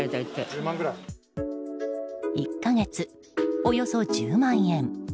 １か月およそ１０万円。